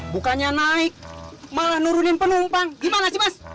bukannya naik malah nurunin penumpang gimana sih mas